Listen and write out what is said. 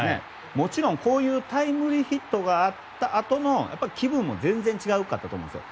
もちろんこういうタイムリーヒットがあったあとの気分も全然違ったと思うんですよ。